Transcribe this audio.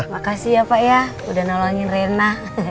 makasih ya pak ya udah nolongin rena